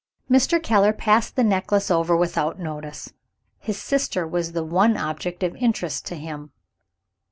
Mr. Keller passed the necklace over without notice; his sister was the one object of interest to him.